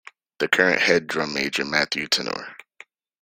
The current head drum major, Matthew Tenore.